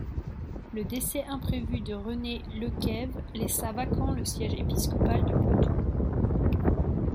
Le décès imprévu de René Lecesve laissa vacant le siège épiscopal du Poitou.